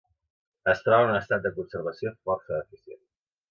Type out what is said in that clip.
Es troba en un estat de conservació força deficient.